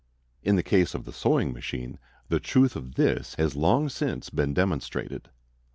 _"] In the case of the sewing machine the truth of this has long since been demonstrated.